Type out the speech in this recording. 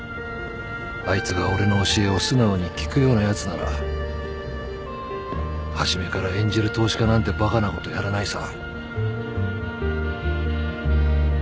あいつが俺の教えを素直に聞くようなやつなら初めからエンジェル投資家なんてバカなことやらないさ。